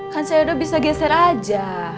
kan ceydo bisa geser aja